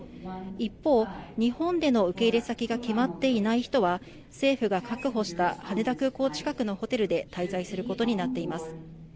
一方、日本での受け入れ先が決まっていない人は政府が確保した羽田空港近くのホテルで滞在することになっています。